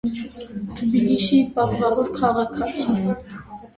Թբիլիսիի պատվավոր քաղաքացի։